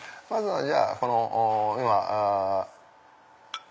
まずはじゃあ今。